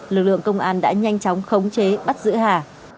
lực lượng công an đã nhanh chóng khống chế bắt giữ hà